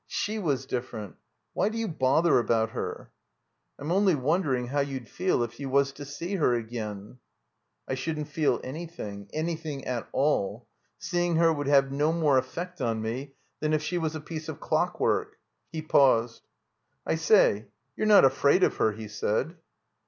She was diflFerent. Why do you bother about her?" "I'm only wondering how you'd feel if you was to see her again." "I shotddn't feel anything — anything at all. Seeing her would have no more effect on me than if she was a piece of clockwork." He paused. "I say — ^you're not afraid of her?" he said.